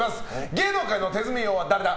芸能界の手積み王は誰だ！？